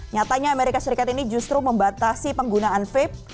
nyatanya amerika serikat ini justru membatasi penggunaan vape